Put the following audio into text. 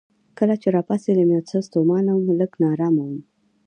کله چې راپاڅېدم یو څه ستومانه وم، لږ نا ارامه وم.